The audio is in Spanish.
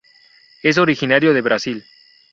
Es originario de Brasil.